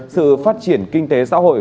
sự phát triển kinh tế xã hội